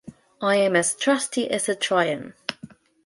I am as trusty as a Trojan